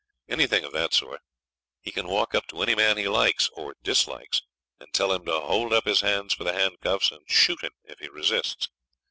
Anything of that sort. He can walk up to any man he likes (or dislikes) and tell him to hold up his hands for the handcuffs, and shoot him if he resists.